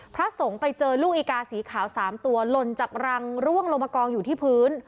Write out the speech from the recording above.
พระสงฆ์ไปเจอลูกอีกาสีขาว๓ตัวหล่นจากรังร่วงลงมากองอยู่ที่พื้น